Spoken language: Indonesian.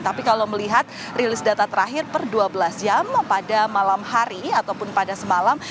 tapi kalau melihat rilis data terakhir per dua belas jam pada malam hari ataupun pada semalam